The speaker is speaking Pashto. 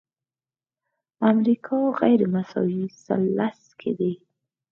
امریکا غیرمساوي ثلث کې ده.